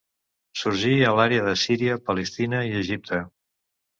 Sorgí a l'àrea de Síria, Palestina i Egipte.